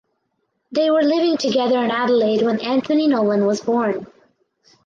They were living together in Adelaide when Anthony Nolan was born.